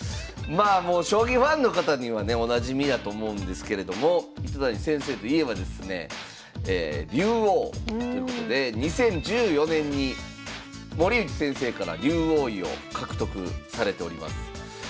もう将棋ファンの方にはねおなじみやと思うんですけれども糸谷先生といえばですね「竜王」ということで２０１４年に森内先生から竜王位を獲得されております。